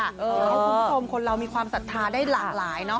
คุณผู้ชมคนเรามีความศรัทธาได้หลากหลายเนาะ